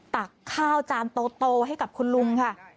ตักข้าวจานโตให้กับคุณลุงค่ะ